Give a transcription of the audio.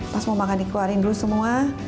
pas mau makan dikeluarin dulu semua